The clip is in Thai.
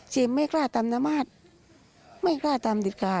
เจมส์ไม่กล้าตามน้ำมาสสไม่กล้าตามเด็ดกาล